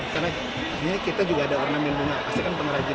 karena ini kita juga ada ornamen bunga pasti kan pengrajin